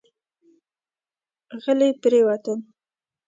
غلي پرېوتل.